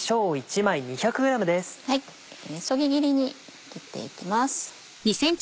そぎ切りに切っていきます。